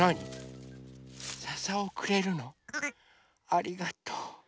ありがとう。